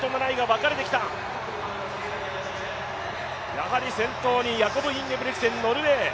やはり先頭にヤコブ・インゲブリクセン、ノルウェー。